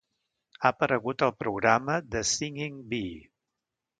Ha aparegut al programa "The Singing Bee".